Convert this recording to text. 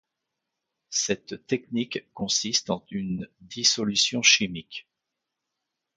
Cette technique consiste en une dissolution chimique.